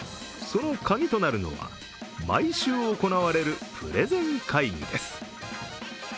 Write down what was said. そのカギとなるのは、毎週行われるプレゼン会議です。